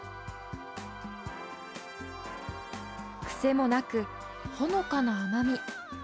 癖もなくほのかな甘み。